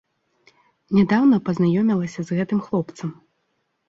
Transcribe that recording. Нядаўна пазнаёмілася з гэтым хлопцам.